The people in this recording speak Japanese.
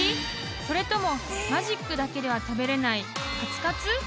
［それともマジックだけでは食べれないカツカツ？］